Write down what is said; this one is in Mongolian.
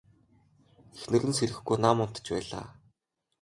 Эхнэр нь сэрэхгүй нам унтаж байлаа.